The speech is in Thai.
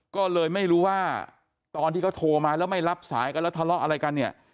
ก็เลยไม่รู้ว่าตอนที่เขาโทรมาแล้วไม่รับสายกันแล้วทะเลาะอะไรกันเนี่ย